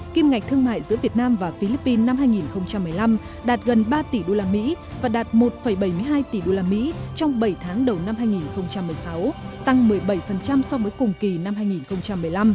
kim ngạch thương mại giữa việt nam và philippines năm hai nghìn một mươi năm đạt gần ba tỷ usd và đạt một bảy mươi hai tỷ usd trong bảy tháng đầu năm hai nghìn một mươi sáu tăng một mươi bảy so với cùng kỳ năm hai nghìn một mươi năm